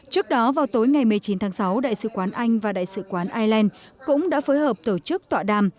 trước đó vào tối ngày một mươi chín tháng sáu đại sứ quán anh và đại sứ quán ireland cũng đã phối hợp tổ chức tọa đàm